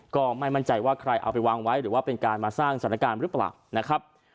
ก็ไม่มั่นใจว่าใครเอาไปวางไว้หรือว่าเป็นการมาสร้างสถานการณ์หรือเปล่านะครับ